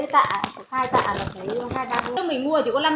đ cg đag tạo sản phẩm và gà đông lạnh